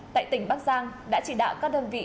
tại tỉnh bắc giang đã chỉ đạo các đơn vị